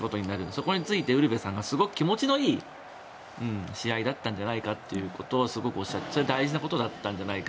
そこについてウルヴェさんがすごく気持ちのいい試合だったんじゃないかということをおっしゃっていたのはそれは大事なことだったと。